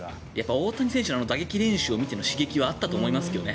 大谷選手の打撃練習を見ての刺激はあったと思いますけどね。